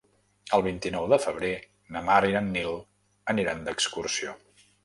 El vint-i-nou de febrer na Mar i en Nil aniran d'excursió.